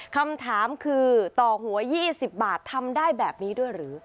คำถามคือต่อหัว๒๐บาททำได้แบบนี้ด้วยหรือ